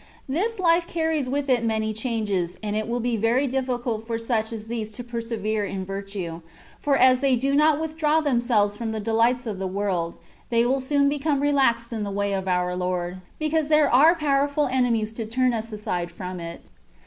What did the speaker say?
This Ufe carries with it many changes, and it will be very difficult for such as these to persevere in virtue; for aa they do not withdraw themselves from the delights of the world, they will soon be come relaxed in the way of our Lord, because there are powerful enemies to turn us aside from it.